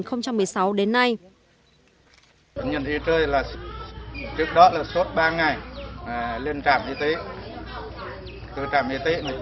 bệnh nhân y chơi trước đó là sốt ba ngày lên trạm y tế